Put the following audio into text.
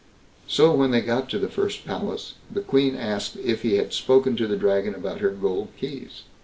So, when they got to the first palace, the Queen asked if he had spoken to the Dragon about her gold keys?